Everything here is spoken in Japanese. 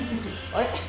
あれ？